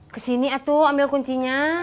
kesini atu ambil kuncinya